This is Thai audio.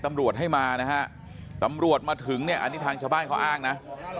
ตำรวจให้มานะฮะตำรวจมาถึงเนี่ยอันนี้ทางชาวบ้านเขาอ้างนะ